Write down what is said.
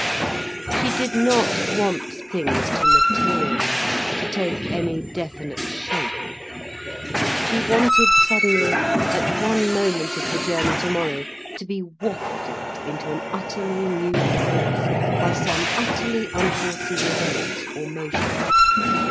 She did not want things to materialise, to take any definite shape. She wanted, suddenly, at one moment of the journey tomorrow, to be wafted into an utterly new course, by some utterly unforeseen event, or motion.